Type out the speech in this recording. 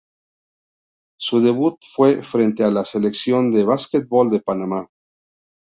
Su debut fue frente a la selección de básquetbol de Panamá.